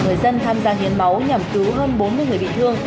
người dân tham gia hiến máu nhằm cứu hơn bốn mươi người bị thương